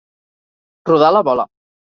Rodar la bola.